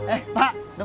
eh pak udah pulang